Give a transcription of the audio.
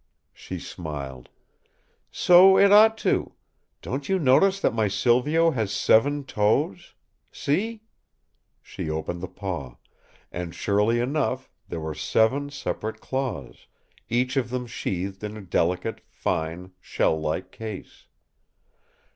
She smiled: "So it ought to. Don't you notice that my Silvio has seven toes, see!" she opened the paw; and surely enough there were seven separate claws, each of them sheathed in a delicate, fine, shell like case.